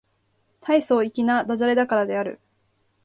大層粋な駄洒落だからである